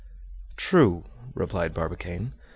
"True," replied Barbicane.